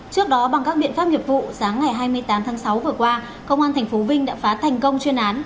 trước đó bằng các biện pháp nghiệp vụ sáng ngày hai mươi tám tháng sáu vừa qua công an tp vinh đã phá thành công chuyên án